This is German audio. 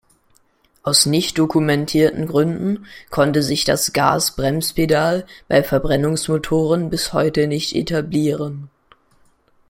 Aus nicht dokumentierten Gründen konnte sich das Gas-Brems-Pedal bei Verbrennungsmotoren bis heute nicht etablieren.